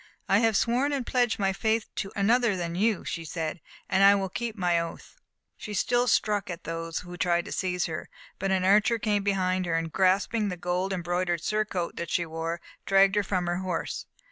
"I have sworn and pledged my faith to another than you," she said, "and I will keep my oath." She still struck at those who tried to seize her; but an archer came behind her, and, grasping the gold embroidered surcoat that she wore, dragged her from her horse.